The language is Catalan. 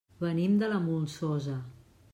Venim de la Molsosa.